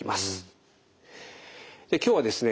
今日はですね